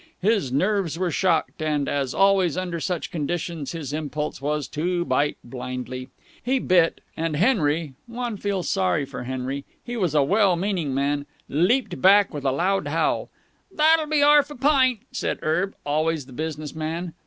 His nerves were shocked, and, as always under such conditions, his impulse was to bite blindly. He bit, and Henry one feels sorry for Henry: he was a well meaning man leaped back with a loud howl. "'That'll be 'arf a pint," said Erb, always the business man.